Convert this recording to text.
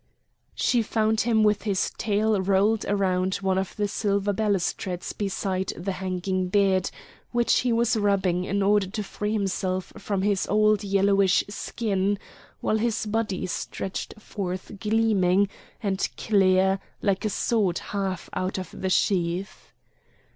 She found him with his tail rolled round one of the silver balustrades beside the hanging bed, which he was rubbing in order to free himself from his old yellowish skin, while his body stretched forth gleaming and clear like a sword half out of the sheath.